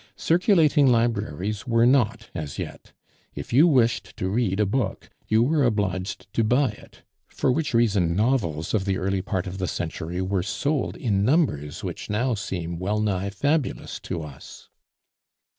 Circulating libraries were not as yet; if you wished to read a book, you were obliged to buy it, for which reason novels of the early part of the century were sold in numbers which now seem well nigh fabulous to us.